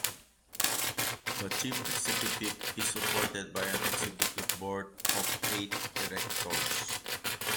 The chief executive is supported by an Executive Board of eight directors.